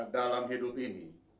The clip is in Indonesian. dalam hidup ini